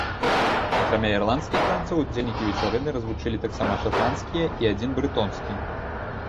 Акрамя ірландскіх танцаў, удзельнікі вечарыны развучылі таксама шатландскія і адзін брэтонскі.